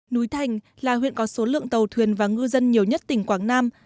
núi thành là huyện có số lượng tàu thuyền và ngư dân nhiều nhất tỉnh quảng nam